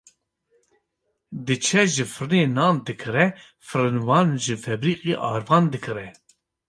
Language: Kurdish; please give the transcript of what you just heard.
diçe ji firinê nan dikire, firinvan ji febrîqê arvan dikire.